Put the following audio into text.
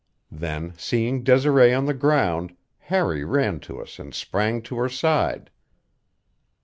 Then, seeing Desiree on the ground, Harry ran to us and sprang to her side.